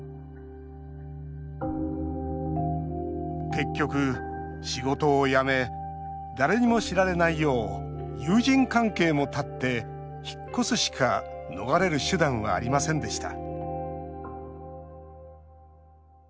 結局、仕事を辞め誰にも知られないよう友人関係も断って引っ越すしか逃れる手段はありませんでした